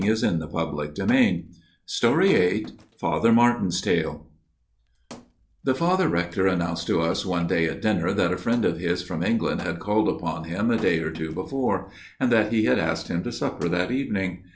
VIII Father Martin's Tale i a <*xx VIII Father Martin's Tale THE Father Rector announced to us one day at dinner that a friend of his from England had called upon him a day or two before ; and that he had asked him to supper that evening.